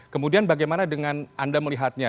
kemudian bagaimana dengan anda melihatnya